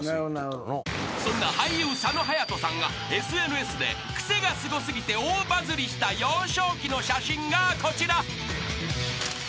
［そんな俳優佐野勇斗さんがＳＮＳでクセがスゴ過ぎて大バズりした幼少期の写真がこちら］